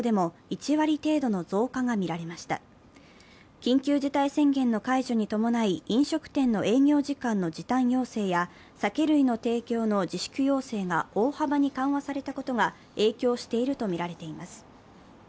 緊急事態宣言の解除に伴い飲食店の営業時間の時短要請や酒類の提供の自粛要請が大幅に緩和されたことが影響しているとみられています。